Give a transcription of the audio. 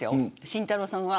慎太郎さんは。